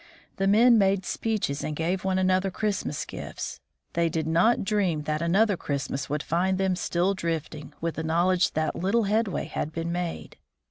The men made speeches and gave one another Christmas gifts. They did not dream that another Christmas would find them still drifting, with the knowledge that little headway had been made.